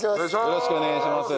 よろしくお願いします。